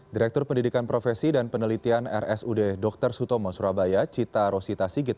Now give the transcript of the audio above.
direktur pendidikan profesi dan penelitian rsud dr sutomo surabaya cita rosita sigit